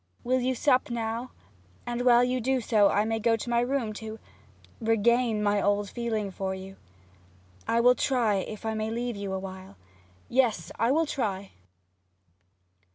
Will you sup now? And while you do so may I go to my room to regain my old feeling for you? I will try, if I may leave you awhile? Yes, I will try!'